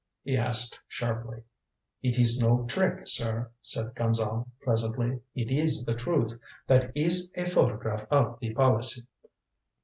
he asked sharply. "It is no trick, sir," said Gonzale pleasantly. "It is the truth. That is a photograph of the policy."